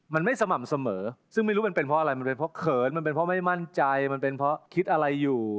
มันไม่สม่ำเสมอซึ่งไม่รู้มันเป็นเพราะอะไรมันเป็นเพราะเขินมันเป็นเพราะไม่มั่นใจมันเป็นเพราะคิดอะไรอยู่